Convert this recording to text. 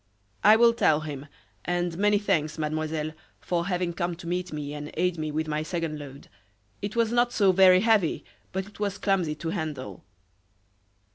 "I will tell him, and many thanks, Mademoiselle, for having come to meet me and aid me with my second load. It was not so very heavy, but it was clumsy to handle."